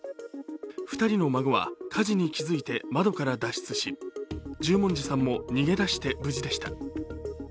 ２人の孫は火事に気づいて窓から脱出し十文字さんも逃げ出して無事でした。